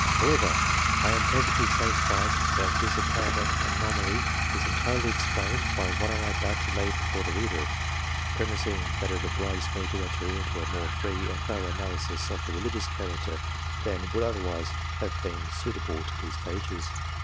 However, I am perfectly satisfied that this apparent anomaly is entirely explained by what I am about to lay before the reader, premising that it obliges me to enter into a more free and thorough analysis of the religious character than would otherwise have been suitable to these pages.